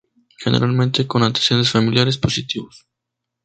Generalmente con antecedentes familiares positivos.